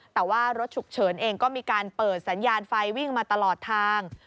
แต่ว่ารถฉุกเฉินเองก็มีการเปิดสัญญาณไฟวิ่งมาตลอดทาง